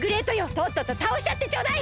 とっととたおしちゃってちょうだい！